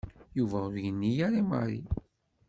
Yuba ur yenni ara i Mary.